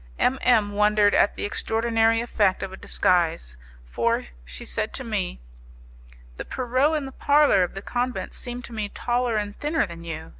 M M wondered at the extraordinary effect of a disguise, for, said she to me: "The Pierrot in the parlour of the convent seemed to me taller and thinner than you.